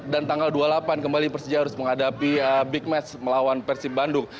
dan tanggal dua puluh delapan kembali persija harus menghadapi big match melawan persib bandung